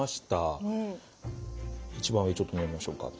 一番上ちょっと見ましょうか。